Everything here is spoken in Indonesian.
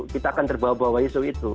kita akan terbawa bawa isu itu